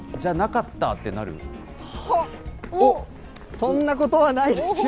そんなことはないですよ！